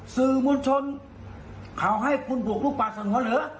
สื่อมวลชนเขาให้คุณบุกลุกป่าสงวนเหรอ